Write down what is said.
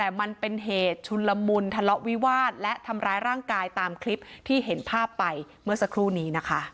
แต่มันเป็นเหตุชุนละมุนทะเลาะวิวาสและทำร้ายร่างกายตามคลิปที่เห็นภาพไปเมื่อสักครู่นี้นะคะ